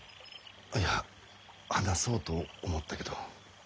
いや話そうと思ったけど。